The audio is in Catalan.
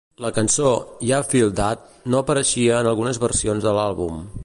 La cançó "Ya Feel Dat" no apareixia en algunes versions de l'àlbum.